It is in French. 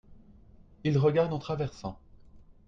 il regarde en traversant.